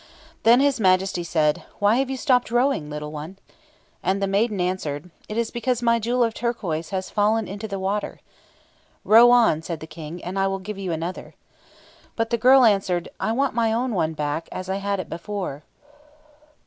Then his Majesty said, 'Why have you stopped rowing, little one?' And the maiden answered, 'It is because my jewel of turquoise has fallen into the water.' 'Row on,' said the King, 'and I will give you another.' But the girl answered, 'I want my own one back, as I had it before.'